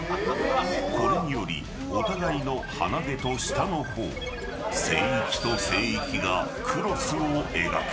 これによりお互いの鼻毛と下の方聖域と聖域がクロスを描く